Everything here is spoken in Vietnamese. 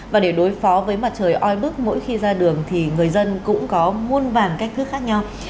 và để đối phó với mặt trời oi bức mỗi khi ra đường thì người dân cũng có muôn vàn cách thức khác nhau